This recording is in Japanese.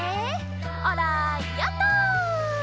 あらヨット！